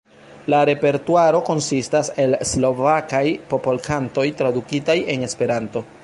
La repertuaro konsistas el Slovakaj popolkantoj tradukitaj en Esperanto.